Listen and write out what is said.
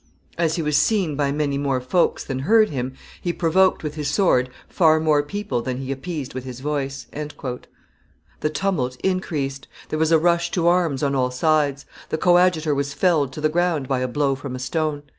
As he was seen by many more folks than heard him, he provoked with his sword far more people than he appeased with his voice." The tumult increased; there was a rush to arms on all sides; the coadjutor was felled to the ground by a blow from a stone.